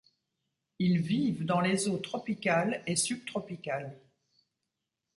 Ils vivent dans les eaux tropicales et sub-tropicales.